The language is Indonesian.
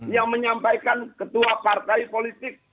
yang menyampaikan ketua partai politik